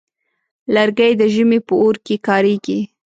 لرګی د ژمي په اور کې کارېږي.